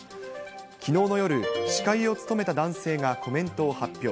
きのうの夜、司会を務めた男性がコメントを発表。